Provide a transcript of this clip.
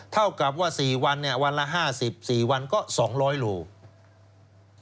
เท่ากับว่า๔วันวันละ๕๐กิโลกรัม๔วันก็๒๐๐กิโลกรัม